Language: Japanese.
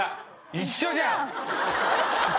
一緒じゃん！